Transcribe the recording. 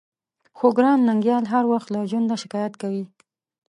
خو ګران ننګيال هر وخت له ژونده شکايت کوي.